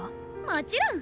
もちろん！